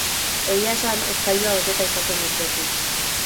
Egia esan, hozkailua beteta izaten dut beti.